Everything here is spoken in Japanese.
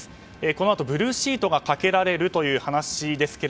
このあとブルーシートがかけられるという話ですが。